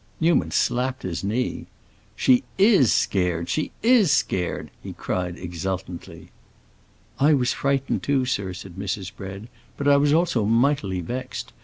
Newman slapped his knee. "She is scared! she is scared!" he cried, exultantly. "I was frightened too, sir," said Mrs. Bread, "but I was also mightily vexed.